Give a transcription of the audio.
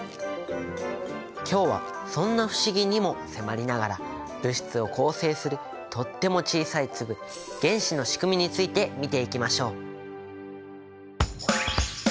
今日はそんな不思議にも迫りながら物質を構成するとっても小さい粒原子のしくみについて見ていきましょう。